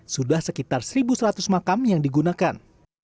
sudah sekitar satu seratus makam yang digunakan